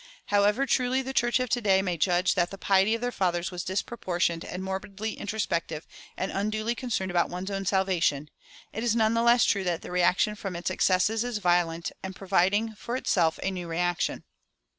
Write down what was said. However truly the church of to day may judge that the piety of their fathers was disproportioned and morbidly introspective and unduly concerned about one's own salvation, it is none the less true that the reaction from its excesses is violent, and is providing for itself a new reaction.